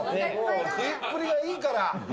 食いっぷりがいいから。